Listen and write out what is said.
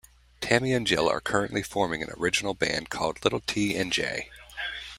Tammy and Jill are currently forming an original band called Little T and J.